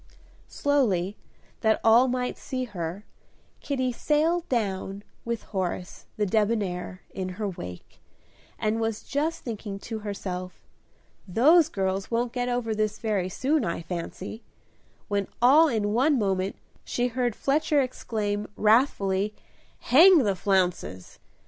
Slowly, that all might see her, Kitty sailed down, with Horace, the debonair, in her wake, and was just thinking to herself, "Those girls won't get over this very soon, I fancy," when all in one moment she heard Fletcher exclaim, wrathfully, "Hang the flounces!"